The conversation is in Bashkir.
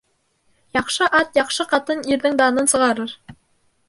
Яҡшы ат, яҡшы ҡатын ирҙең данын сығарыр.